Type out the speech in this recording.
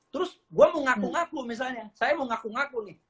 terus gue mau ngaku ngaku misalnya